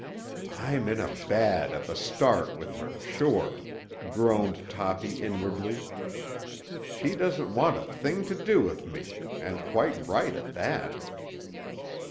"I'm in bad at the start with her, sure," groaned Toppy inwardly. "She doesn't want a thing to do with me, and quite right at that."